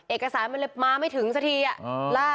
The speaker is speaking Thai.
เอกสารมันเลยมาไม่ถึงสักทีอะ